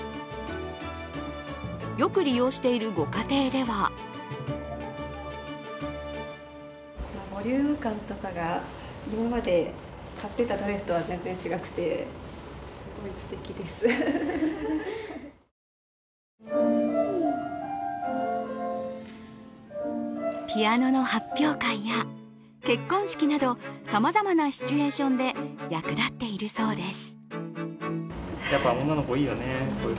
よく利用しているご家庭ではピアノの発表会や結婚式などさまざまなシチュエーションで役立っているそうです。